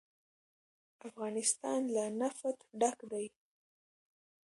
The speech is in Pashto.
افغانستان له نفت ډک دی.